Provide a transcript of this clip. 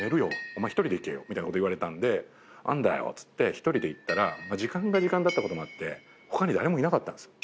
お前１人で行けよみたいなこと言われたんで何だよっつって１人で行ったら時間が時間だったこともあって他に誰もいなかったんです。